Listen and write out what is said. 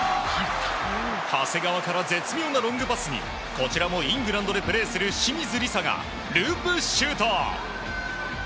長谷川から絶妙なロングパスにこちらもイングランドでプレーする清水梨紗がループシュート！